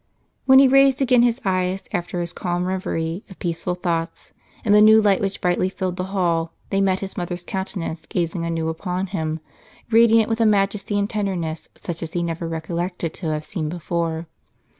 When he raised again his eyes, after his calm reverie of peaceful thoughts, in the new light which brightly filled the hall, they met his mother's countenance gazing anew upon him, radiant with a majesty and tenderness such as he never recollected to have seen before.